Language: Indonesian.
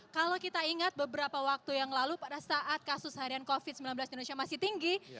kalau kita ingat beberapa waktu yang lalu pada saat kasus harian covid sembilan belas di indonesia masih tinggi